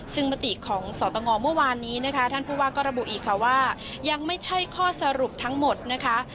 ซึ่งมติของสตงเมื่อวานนี้นะคะท่านผู้ว่าก็ระบุอีกค่ะว่ายังไม่ใช่ข้อสรุปทั้งหมดนะคะ